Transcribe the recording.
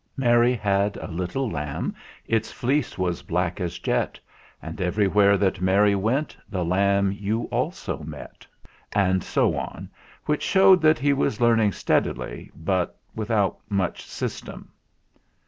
"Mary had a little lamb, its fleece was black as jet, and every where that Mary went the lamb you also met," and so on which showed that he was learning steadily, but without much system.